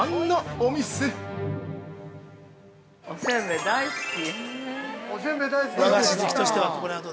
◆おせんべい、大好き。